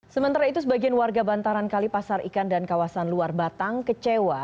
sementara itu sebagian warga bantaran kalipasar ikan dan kawasan luar batang kecewa